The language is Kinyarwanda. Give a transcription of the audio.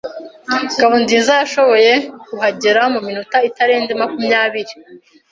Ngabonziza yashoboye kuhagera mu minota itarenze makumyabiri.